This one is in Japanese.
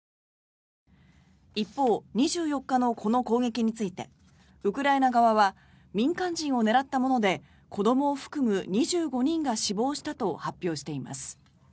一方、２４日のこの攻撃についてウクライナ側は民間人を狙ったもので子どもを含む２５人が死亡したと発表しています。